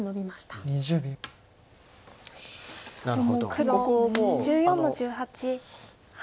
黒１４の十八ハネ。